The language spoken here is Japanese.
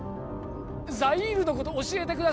ザイールのこと教えてください